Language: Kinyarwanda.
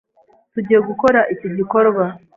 Tugiye gukora iki gikorwa.